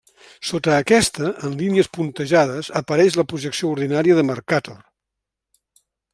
Sota aquesta, en línies puntejades apareix la projecció ordinària de Mercator.